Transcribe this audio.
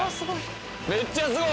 めっちゃすごい。